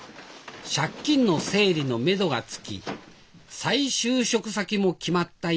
借金の整理のめどがつき再就職先も決まった